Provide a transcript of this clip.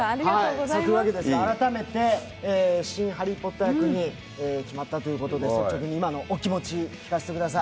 改めて新ハリー・ポッター役に決まったということで率直に今のお気持ち、聞かせてください。